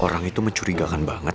orang itu mencurigakan banget